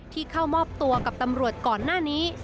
เข้ามอบตัวกับตำรวจก่อนหน้านี้